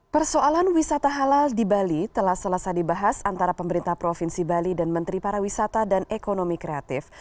persoalan wisata halal di bali telah selesai dibahas antara pemerintah provinsi bali dan menteri pariwisata dan ekonomi kreatif